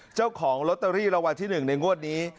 เจ้าของลอตเตอรี่รางวัลที่๑ในงวดนี้